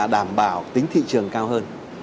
đảm bảo tính thị trường cao hơn